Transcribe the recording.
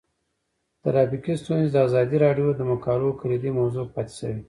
ټرافیکي ستونزې د ازادي راډیو د مقالو کلیدي موضوع پاتې شوی.